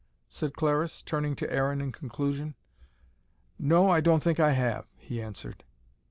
said Clariss, turning to Aaron in conclusion. "No, I don't think I have," he answered.